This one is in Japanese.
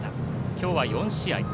今日は４試合。